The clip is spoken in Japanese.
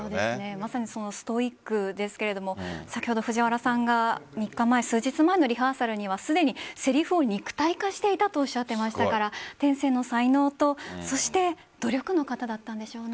まさにストイックですが藤原さんが３日前のリハーサルにはすでにセリフを肉体化していたとおっしゃっていましたから天性の才能と努力の方だったんでしょうね。